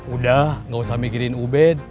udah gak usah mikirin ubed